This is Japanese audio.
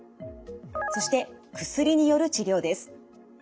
そして薬による治療です。